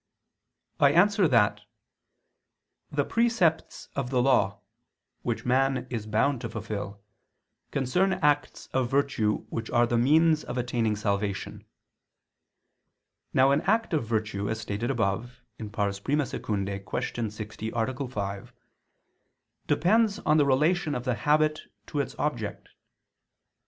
I answer that, The precepts of the Law, which man is bound to fulfil, concern acts of virtue which are the means of attaining salvation. Now an act of virtue, as stated above (I II, Q. 60, A. 5) depends on the relation of the habit to its object.